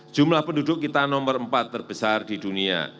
jumlah penduduk kita nomor empat terbesar di dunia